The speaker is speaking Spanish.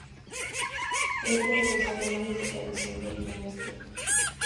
Eisler regresó a Alemania y se estableció en Berlín Este.